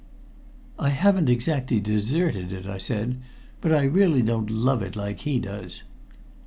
"I haven't exactly deserted it," I said. "But I really don't love it like he does."